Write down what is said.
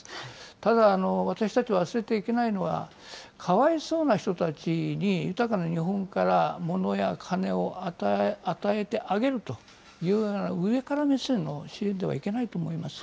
ただ、私たち、忘れてはいけないのは、かわいそうな人たちに豊かな日本から物や金を与えてあげるというような、上から目線の支援ではいけないと思います。